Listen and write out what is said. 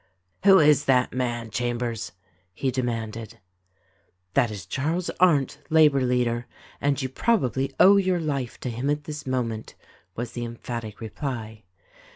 "Who is that man, Chambers?" he demanded. "That is Charles Arndt, labor leader; and you probably owe your life to him at this moment," was the emphatic reply.